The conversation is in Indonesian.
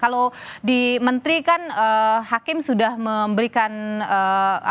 kalau di menteri kan hakim sudah memberikan penyampaian ya di awal